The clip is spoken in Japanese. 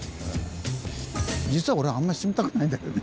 実は俺あんまり住みたくないんだけどね。